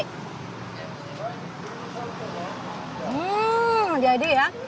hmm jadi ya